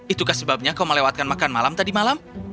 itukah sebabnya kau melewatkan makan malam tadi malam